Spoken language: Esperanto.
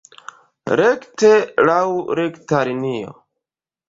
Rekte, laŭ rekta linio.